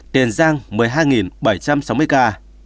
tiền giang một mươi hai bảy trăm sáu mươi ca